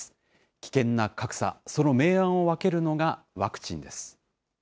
危険な格差、その明暗を分けるのがワクチンです。